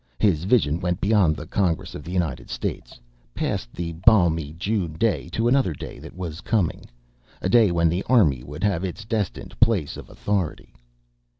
His vision went beyond the Congress of the United States, past the balmy June day to another day that was coming. A day when the Army would have its destined place of authority.